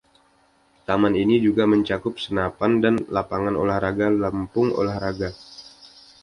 Taman ini juga mencakup senapan dan lapangan olahraga lempung olahraga.